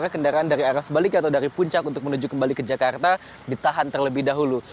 kendaraan dari arah sebalik atau dari puncak untuk menuju kembali ke jakarta ditahan terlebih dahulu